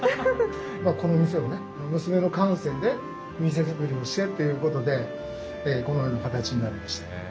まあこの店をね娘の感性で店作りをしてっていうことでこのような形になりました。